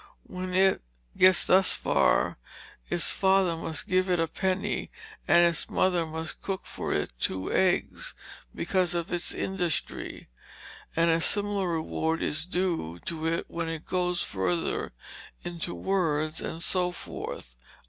When it gets thus far, its father must give it a penny and its mother must cook for it two eggs, because of its industry; and a similar reward is due to it when it goes further into words; and so forth."